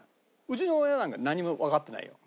うちの親なんか何もわかってないよ。